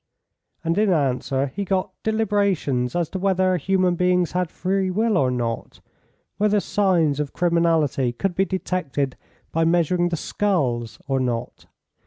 And in answer he got deliberations as to whether human beings had free will or not. Whether signs of criminality could be detected by measuring the skulls or not.